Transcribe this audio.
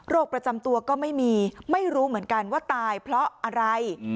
ประจำตัวก็ไม่มีไม่รู้เหมือนกันว่าตายเพราะอะไร